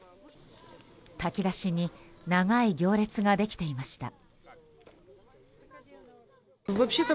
炊き出しに長い行列ができていました。